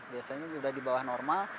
biasanya sudah di bawah normal